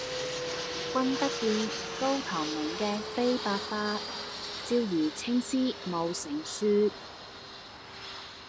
君不見，高堂明鏡悲白發，朝如青絲暮成雪。